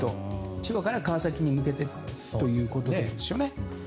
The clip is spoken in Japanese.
千葉から川崎に向けてということですよね。